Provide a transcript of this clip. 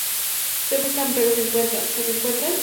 Se buscan, pero ¿se encuentran?, ¿se reencuentran?